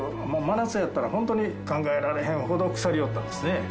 真夏やったら本当に考えられへんほど腐りよったんですね。